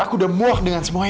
aku udah mock dengan semuanya